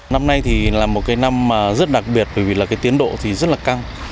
năm nay là một năm rất đặc biệt bởi vì tiến độ rất căng